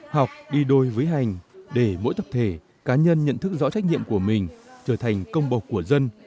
học đi đôi với hành để mỗi tập thể cá nhân nhận thức rõ trách nhiệm của mình trở thành công bộc của dân